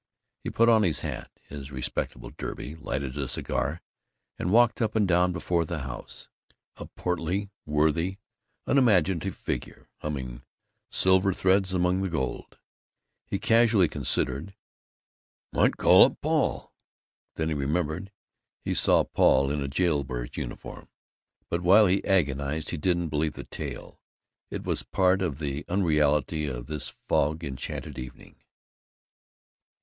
He put on his hat, his respectable derby, lighted a cigar, and walked up and down before the house, a portly, worthy, unimaginative figure, humming "Silver Threads among the Gold." He casually considered, "Might call up Paul." Then he remembered. He saw Paul in a jailbird's uniform, but while he agonized he didn't believe the tale. It was part of the unreality of this fog enchanted evening.